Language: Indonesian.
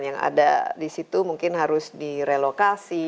yang ada di situ mungkin harus direlokasi